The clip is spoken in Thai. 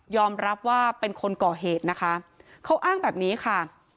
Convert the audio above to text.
รับว่าเป็นคนก่อเหตุนะคะเขาอ้างแบบนี้ค่ะ